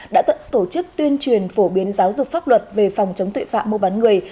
đã tận tổ chức tuyên truyền phổ biến giáo dục pháp luật về phòng chống tội phạm mua bán người